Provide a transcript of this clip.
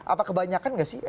apa kebanyakan nggak sih